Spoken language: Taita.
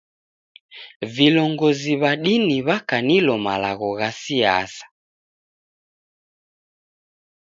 Vilongozi w'a dini wakanilo malagho gha siasa.